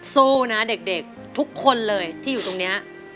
สู้นะเด็กทุกคนเลยที่อยู่ตรงนี้